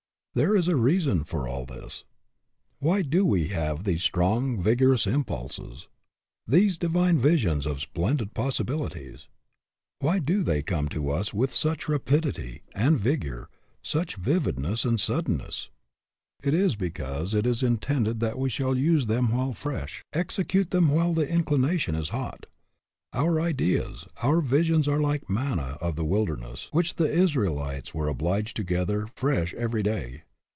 There is a reason for all this. Why do we have these strong, vigorous impulses; these divine visions of splendid possibilities? Why do they come to us with such rapidity and vigor, such vividness and suddenness? It is because it is intended that we shall use them while fresh, execute them while the inclination is hot. Our ideas, our visions are like the manna of the wilderness, which the Israelites were obliged to gather fresh every day.